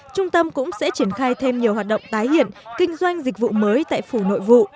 trung tâm cũng sẽ triển khai thêm nhiều hoạt động tái hiện kinh doanh dịch vụ mới tại phủ nội vụ